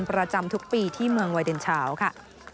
ประจำทุกปีที่เมืองไวเดนชาวค่ะ